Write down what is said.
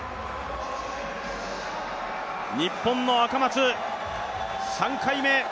日本の赤松、３回目。